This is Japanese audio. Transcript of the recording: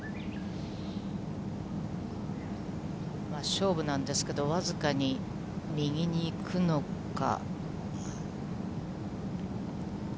勝負なんですけど、僅かに右に行くのか。